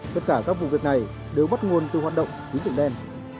tất cả các vụ việc này đều bắt nguồn từ hoạt động tín dụng đen